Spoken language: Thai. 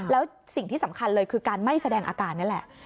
แล้วสิ่งที่สำคัญเลยคือการไม่แสดงอาการนี่แหละ